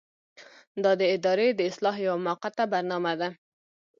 دا د ادارې د اصلاح یوه موقته برنامه ده.